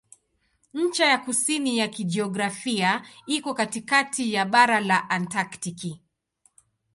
Ncha ya kusini ya kijiografia iko katikati ya bara la Antaktiki.